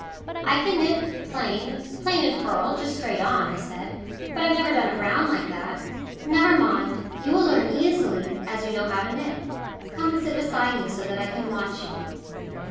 "I can knit plain plain and purl just straight on," I said. "But I've never done it round like that." "Never mind, you will learn easily, as you know how to knit. Come and sit beside me, so that I can watch you."